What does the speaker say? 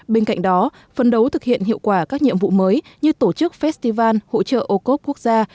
bên cạnh đó phân đấu thực hiện hiệu quả các nhiệm vụ mới như tổ chức festival hỗ trợ ô cốp quốc gia